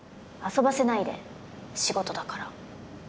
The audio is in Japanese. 遊ばせないで仕事だから。